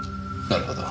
なるほど。